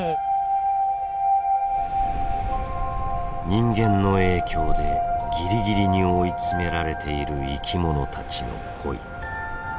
人間の影響でギリギリに追い詰められている生きものたちの恋。